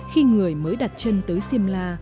khi người mới đặt chân tới siem la